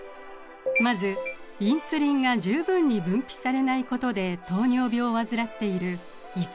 まずインスリンが十分に分泌されないことで糖尿病を患っている１型糖尿病。